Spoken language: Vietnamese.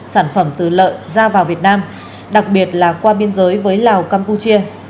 sản phẩm từ lợn ra vào việt nam đặc biệt là qua biên giới với lào campuchia